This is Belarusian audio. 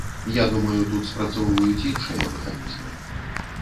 Я думаю, тут спрацоўваюць іншыя механізмы.